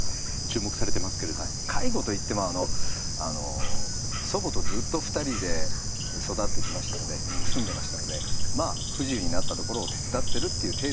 介護といっても祖母とずっと二人で育ってきましたので住んでましたので不自由になったところを手伝ってるという程度のことではあったんですけどね。